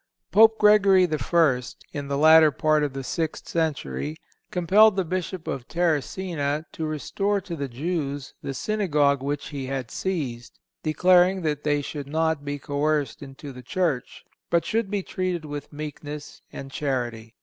Pope Gregory I. in the latter part of the Sixth Century, compelled the Bishop of Terracina to restore to the Jews, the synagogue which he had seized, declaring that they should not be coerced into the Church, but should be treated with meekness and charity.